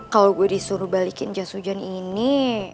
kalau gue disuruh balikin jas hujan ini